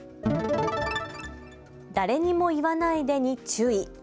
誰にも言わないでに注意。